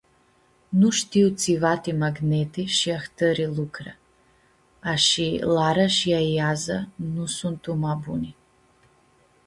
Nu shtiu tsiva ti magneti shi ahtãri lucre, a shi Lara shi Aiaza nu suntu ma buni.